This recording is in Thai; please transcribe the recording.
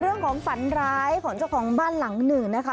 ฝันร้ายของเจ้าของบ้านหลังหนึ่งนะคะ